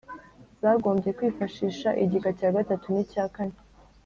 zagombye kwifashisha igika cya gatatu n'icya kane